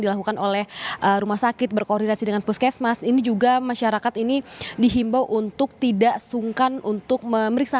dilakukan oleh rumah sakit berkoordinasi dengan puskesmas juga masyarakat ini dihimbau untuk tidak sungkan untuk casemate ini juga masyarakat ini dihimbau untuk tidak sungkan untuk meriksa kematiannya